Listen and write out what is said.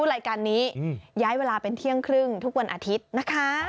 รายการนี้ย้ายเวลาเป็นเที่ยงครึ่งทุกวันอาทิตย์นะคะ